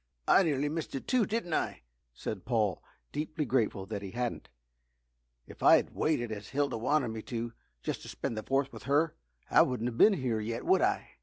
"I nearly missed it too, didn't I?" said Paul, deeply grateful that he hadn't. "If I'd waited as Hilda wanted me to, just to spend the Fourth with her, I wouldn't have been here yet, would I?"